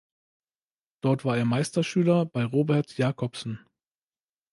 Dort war er Meisterschüler bei Robert Jacobsen.